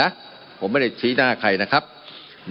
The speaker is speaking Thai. มันมีมาต่อเนื่องมีเหตุการณ์ที่ไม่เคยเกิดขึ้น